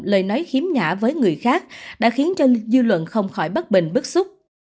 lời nói khiếm nhã với người khác đã khiến cho dư luận không khỏi bất bình bức xúc